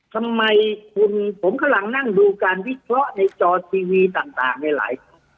ทำไมคุณผมกำลังนั่งดูการวิเคราะห์ในจอทีวีต่างในหลาย